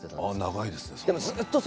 長いですね。